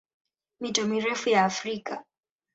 Mito mirefu ya Afrika